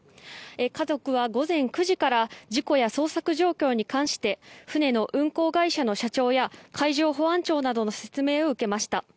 家族は午前９時から事故や捜索状況に関して船の運航会社の社長や海上保安庁などの説明を受けました。